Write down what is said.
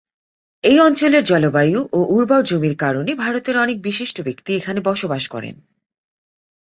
এই অঞ্চলের জলবায়ু ও উর্বর জমির কারণে ভারতের অনেক বিশিষ্ট ব্যক্তি এখানে বাস করেন।